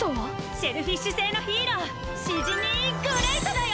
シェルフィッシュ星のヒーローシジミーグレイトだよ！